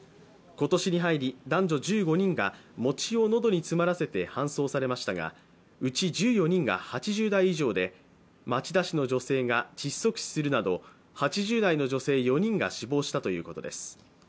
今年に入り、男女１５人が餅を喉に詰まらせて搬送されましたが、うち１４人が８０代以上で町田市の女性が窒息死するなど８０代の女性４人が死亡したということです。